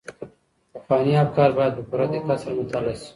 پخواني افکار بايد په پوره دقت سره مطالعه سي.